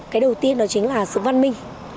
cái đầu tiên đó chính là sự văn minh